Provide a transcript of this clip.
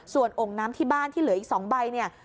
ส่วนองค์น้ำที่บ้านที่เหลืออีก๒ใบเนี่ย